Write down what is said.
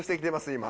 今。